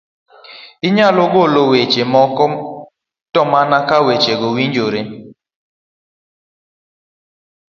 inyalo golo weche moko to mana ka wechego winjore.